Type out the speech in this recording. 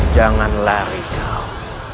jangan lari kau